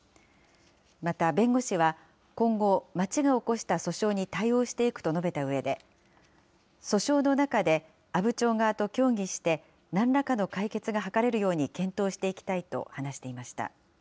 また弁護士は、今後、町が起こした訴訟に対応していくと述べたうえで、訴訟の中で阿武町側と協議してなんらかの解決が図れるように検討